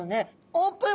オープン！